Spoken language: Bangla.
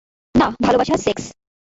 না, ভালবাসা - সেক্স।